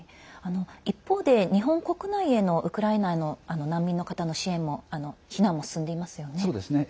一方で、日本国内へのウクライナの難民の方の支援避難も進んでいますよね。